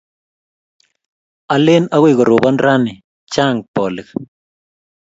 Alen akoy koropon rani, chang' polik.